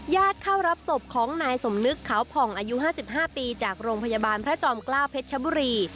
เข้ารับศพของนายสมนึกขาวผ่องอายุ๕๕ปีจากโรงพยาบาลพระจอมเกล้าเพชรชบุรี